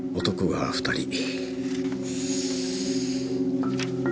男が２人。